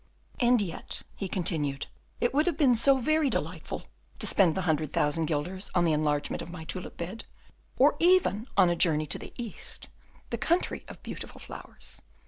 "And yet," he continued, "it would have been so very delightful to spend the hundred thousand guilders on the enlargement of my tulip bed or even on a journey to the East, the country of beautiful flowers.